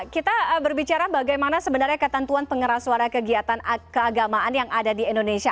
kita berbicara bagaimana sebenarnya ketentuan pengeras suara kegiatan keagamaan yang ada di indonesia